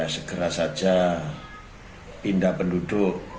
segera saja pindah penduduk